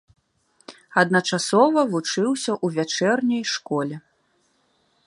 Адначасова вучыўся ў вячэрняй школе.